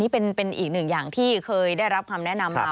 เป็นอีกหนึ่งอย่างที่เคยได้รับคำแนะนำมา